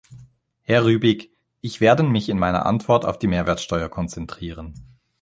Herr Rübig, ich werden mich in meiner Antwort auf die Mehrwertsteuer konzentrieren.